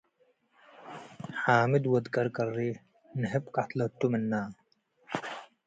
ሓምድ ወድ-ቅርቅሬ ንህብ ቀትለቱ ምነ።